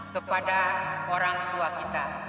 kepada orang tua kita